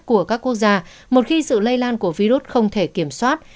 của các quốc gia một khi sự lây lan của virus không thể kiểm soát